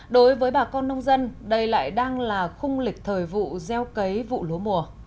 đối với bà con nông dân đây lại đang là khung lịch thời vụ gieo cấy vụ lúa mùa